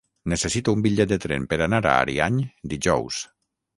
Necessito un bitllet de tren per anar a Ariany dijous.